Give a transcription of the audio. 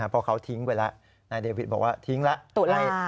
เพราะเขาทิ้งไปแล้วนายเดวิทบอกว่าทิ้งแล้ว